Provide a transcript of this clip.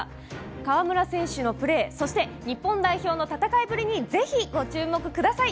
川村選手のプレーそして、日本代表の戦いぶりにぜひ、ご注目ください。